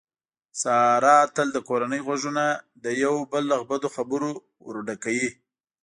ساره تل د کورنۍ غوږونه د یو او بل له بدو خبرو ورډکوي.